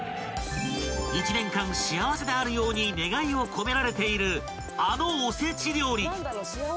［一年間幸せであるように願いを込められているあのおせち料理］